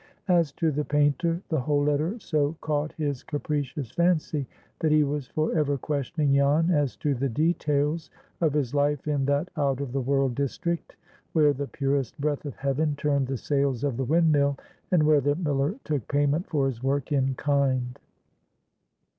As to the painter, the whole letter so caught his capricious fancy that he was for ever questioning Jan as to the details of his life in that out of the world district where the purest breath of heaven turned the sails of the windmill, and where the miller took payment for his work "in kind."